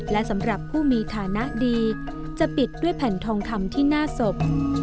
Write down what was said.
และสำหรับผู้มีฐานะดีจะปิดด้วยแผ่นทองคำที่หน้าศพ